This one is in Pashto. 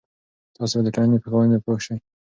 تاسې به د ټولنې په قوانینو پوه سئ.